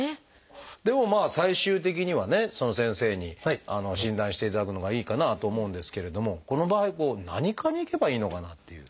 でも最終的にはね先生に診断していただくのがいいかなと思うんですけれどもこの場合何科に行けばいいのかなっていう。